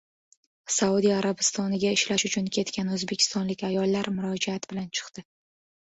Saudiya Arabistoniga ishlash uchun ketgan o‘zbekistonlik ayollar murojaat bilan chiqdi